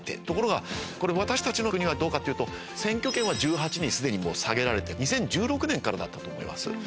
ところが私たちの国はどうかっていうと選挙権は１８に既に下げられて２０１６年からだったと思います。